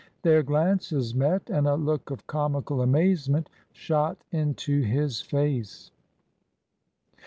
Their glances met, and a look of comical amazement shot into his face.